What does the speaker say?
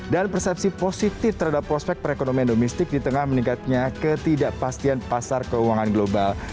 dan persepsi positif terhadap prospek perekonomian domestik di tengah meningkatnya ketidakpastian pasar keuangan global